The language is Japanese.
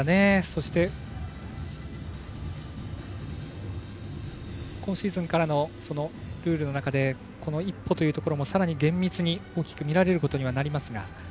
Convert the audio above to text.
そして、今シーズンからのルールの中でこの１歩というのもさらに厳密に大きく見られることにはなりますが。